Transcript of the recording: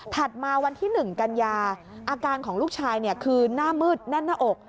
มาวันที่๑กันยาอาการของลูกชายคือหน้ามืดแน่นหน้าอก